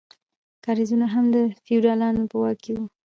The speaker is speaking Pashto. کاریزونه هم د فیوډالانو په واک کې وو.